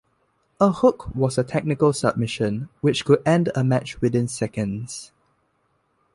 A "hook" was a technical submission which could end a match within seconds.